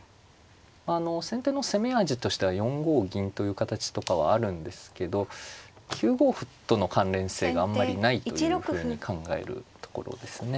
先手の攻め味としては４五銀という形とかはあるんですけど９五歩との関連性があんまりないというふうに考えるところですね。